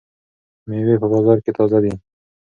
مېوې په بازار کې تازه دي.